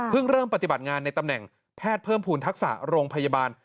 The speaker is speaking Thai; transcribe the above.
เริ่มปฏิบัติงานในตำแหน่งแพทย์เพิ่มภูมิทักษะโรงพยาบาล